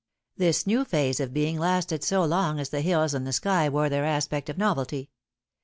This new phase of being lasted so long as the hills and the sky wore their aspect of novelty.